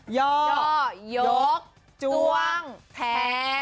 ยอกยกจ้วงแทง